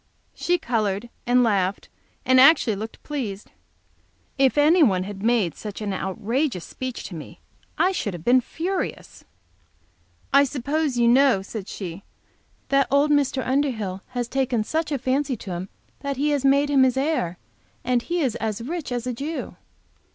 She colored, and laughed, and actually looked pleased. If anyone had made such an outrageous speech to me I should have been furious. "I suppose you know," said she, "that old Mr. Underhill has taken such a fancy to him that he has made him his heir; and he is as rich as a Jew."